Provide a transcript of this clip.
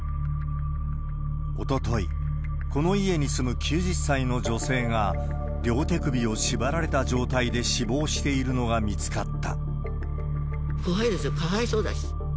おととい、この家に住む９０歳の女性が、両手首を縛られた状態で死亡しているのが見つかった。